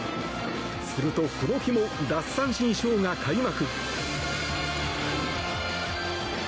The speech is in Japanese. すると、この日も奪三振ショーが開幕。